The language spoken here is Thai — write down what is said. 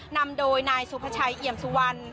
นำโดยนายสุภาชัยเอี่ยมสุวรรณ